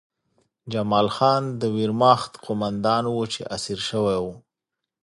جمال خان د ویرماخت قومندان و چې اسیر شوی و